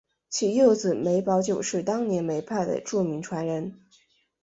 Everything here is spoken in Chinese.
其幼子梅葆玖是当今梅派的著名传人。